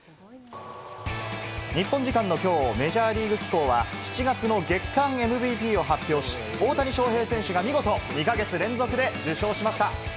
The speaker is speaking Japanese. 日本時間のきょう、メジャーリーグ機構は、７月の月間ＭＶＰを発表し、大谷翔平選手が見事、２か月連続で受賞しました。